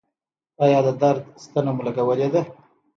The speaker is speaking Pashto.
ایا د درد ستنه مو لګولې ده؟